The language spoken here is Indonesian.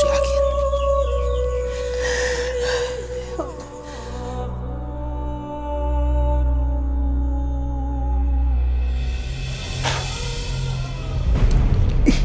ibu aku mau kabur